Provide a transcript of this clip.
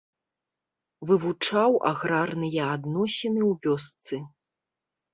Вывучаў аграрныя адносіны ў вёсцы.